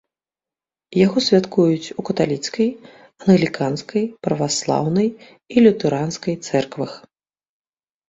Яго святкуюць у каталіцкай, англіканскай, праваслаўнай і лютэранскай цэрквах.